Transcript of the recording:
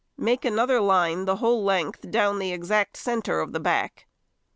Make another line the whole length down the exact centre of the back.